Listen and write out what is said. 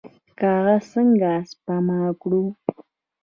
کاغذ څنګه سپما کړو؟